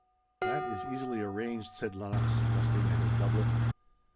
'That is easily arranged,' said Lennox, dusting at his doublet.